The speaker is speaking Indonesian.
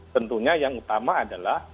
tentunya yang utama adalah